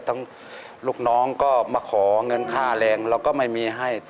ลูกน้องก็มาขอเงินค่าแรงเราก็ไม่มีให้